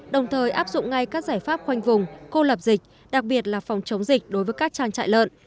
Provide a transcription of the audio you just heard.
đồng thời áp dụng ngay các giải pháp khoanh vùng cô lập dịch đặc biệt là phòng chống dịch đối với các trang trại lợn